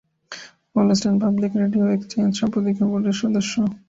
Goldstein public radio exchange সম্পাদকীয় বোর্ডের সদস্য।